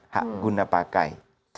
hak guna pakai